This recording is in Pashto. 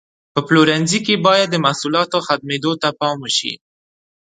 په پلورنځي کې باید د محصولاتو ختمېدو ته پام وشي.